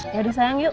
yaudah sayang yuk